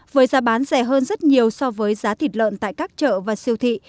với giá bán rẻ hơn rất nhiều so với giá thịt lợn tại các chợ và siêu thị